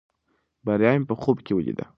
بریا مې په خوب کې ولیده.